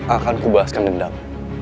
akanku bahaskan dendam